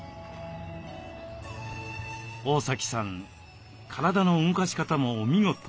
大崎さん体の動かし方もお見事。